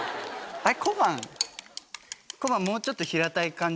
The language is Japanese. はい。